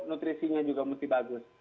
nutrisinya juga mesti bagus